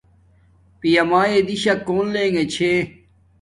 پیا مایے دیشا کوکن نلگا چھا